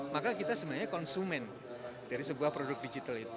maka kita sebenarnya konsumen dari sebuah produk digital itu